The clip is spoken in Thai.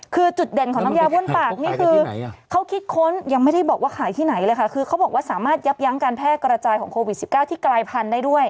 คือจุดเด่นของน้ำยาบ้วนปากนี้คือเขาคิดค้นมันเขาขายแต่ที่ไหน